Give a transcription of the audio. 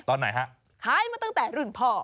ตอนไหนฮะรุ่นพ่อขายมาตั้งแต่รุ่นพ่อ